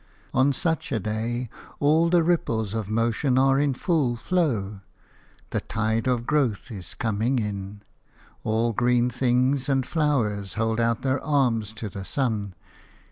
On such a day all the ripples of motion are in full flow; the tide of growth is coming in; all green things and flowers hold out their arms to the sun.